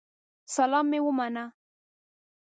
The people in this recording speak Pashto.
سلام مي ومنه